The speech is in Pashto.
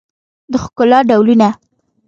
د ښکلا ډولونه